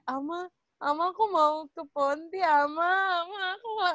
amah amah aku mau ke ponti amah amah